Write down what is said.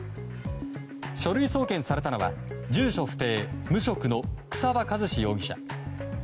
書類送検されたのは住所不定・無職の草場一志容疑者。